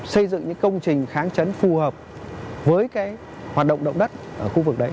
xây dựng những công trình kháng chấn phù hợp với hoạt động động đất ở khu vực đấy